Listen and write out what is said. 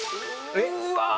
うわ。